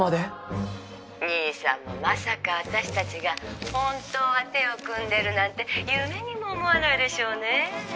「兄さんもまさか私たちが本当は手を組んでるなんて夢にも思わないでしょうねえ」